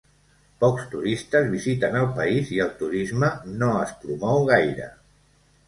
Pocs turistes visiten el país i el turisme no es promou gaire.